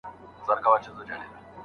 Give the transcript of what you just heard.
ایا شاګرد ټول کتابونه لوستي دي؟